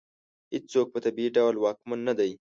هېڅوک په طبیعي ډول واکمن نه دی.